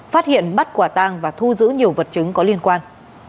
phát hiện bắt quả tang và thu giữ nhiều vật chứng có liên quan